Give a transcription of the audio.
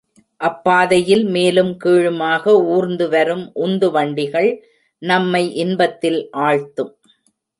அப் பாதையில் மேலும் கீழுமாக ஊர்ந்து வரும் உந்து வண்டிகள் நம்மை இன்பத்தில் ஆழ்த்தும்.